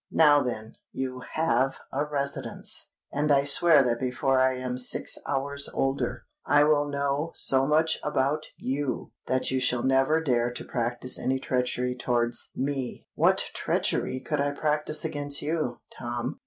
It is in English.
Now then, you have a residence—and I swear that before I am six hours older, I will know so much about you, that you shall never dare to practise any treachery towards me." "What treachery could I practise against you, Tom?"